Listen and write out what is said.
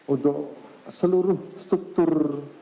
untuk seluruh struktur